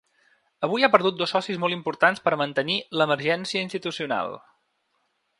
Avui ha perdut dos socis molt importants per a mantenir l’emergència institucional.